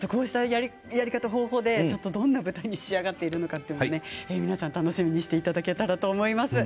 どんな舞台に仕上がっているのか皆さん楽しみにしていただけたらと思います。